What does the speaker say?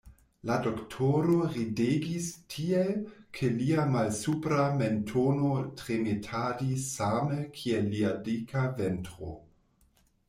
La doktoro ridegis tiel, ke lia malsupra mentono tremetadis same kiel lia dika ventro.